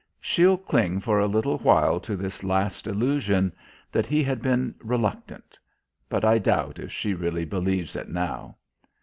She'll cling for a little while to this last illusion: that he had been reluctant; but I doubt if she really believes it now.